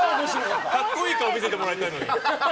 格好いい顔見せてもらいたいのに。